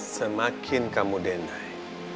semakin kamu denai